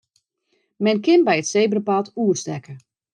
Men kin by it sebrapaad oerstekke.